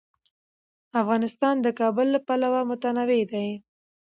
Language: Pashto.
افغانستان د کابل له پلوه متنوع دی.